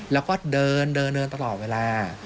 แล้วก็เดินเดินตลอดเวลา